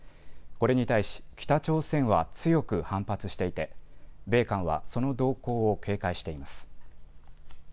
これに対し、北朝鮮は強く反発していて米韓はその動向を警戒しています。